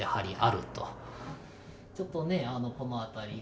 ちょっとねこの辺りこう。